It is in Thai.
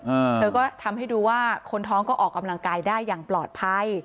เออเธอก็ทำให้ดูว่าคนท้องก็ออกกำลังกายได้อย่างปลอดภัย